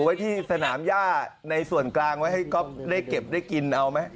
ไว้ที่สนามย่าในส่วนกลางไว้ให้ก๊อฟได้เก็บได้กินเอาไหม